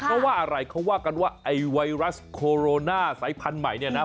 เขาว่าอะไรเขาว่ากันว่าไวรัสโคโรนาไซส์พันธุ์ใหม่